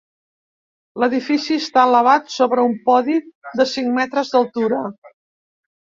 L'edifici està elevat sobre un podi de cinc metres d'altura.